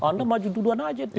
anda maju duluan aja